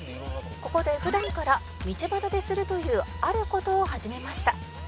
「ここで普段から道端でするというある事を始めました」